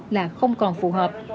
là không còn phù hợp